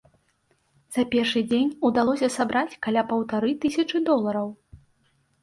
За першы дзень удалося сабраць каля паўтары тысячы долараў.